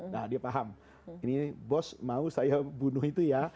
nah dia paham ini bos mau saya bunuh itu ya